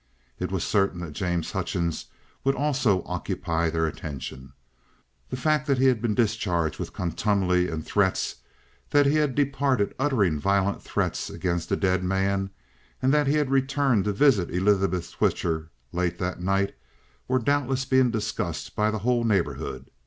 It was certain that James Hutchings would also occupy their attention. The fact that he had been discharged with contumely and threats, that he had departed uttering violent threats against the dead man, and that he had returned to visit Elizabeth Twitcher late that night, were doubtless being discussed by the whole neighbourhood.